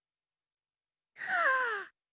はあ！